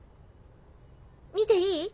見ていい？